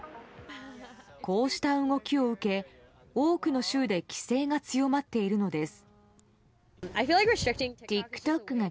こうした動きを受け、多くの州で規制が強まっているのです。